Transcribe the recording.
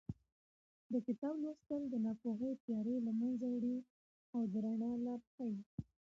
د کتاب لوستل د ناپوهۍ تیارې له منځه وړي او د رڼا لار ښیي.